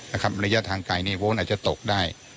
ระยะทางไกลโวนอาจจะตกได้